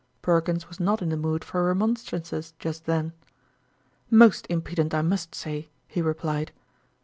Perkins was not in the mood for remonstrances just then. " Most impudent, I must say," he replied.